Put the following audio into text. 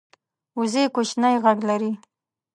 وزې کوچنی غږ لري